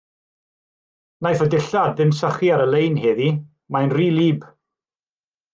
Wnaiff y dillad ddim sychu ar y lein heddiw, mae'n rhy wlyb.